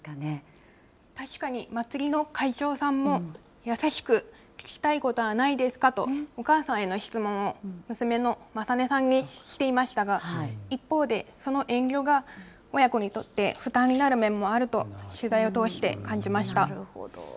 確かに、祭りの会長さんも優しく、聞きたいことはないですかと、お母さんへの質問を娘の理音さんにしていましたが、一方で、その遠慮が、親子にとって負担になる面もあると取材を通して感じましなるほど。